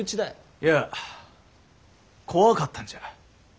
いや怖かったんじゃ。